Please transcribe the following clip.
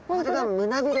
胸びれ。